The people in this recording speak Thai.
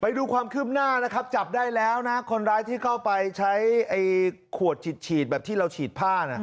ไปดูความคืบหน้านะครับจับได้แล้วนะคนร้ายที่เข้าไปใช้ขวดฉีดแบบที่เราฉีดผ้า